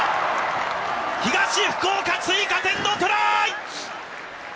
東福岡、追加点のトライ！